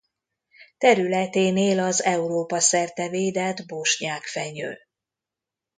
Területén él az Európa-szerte védett bosnyák-fenyő.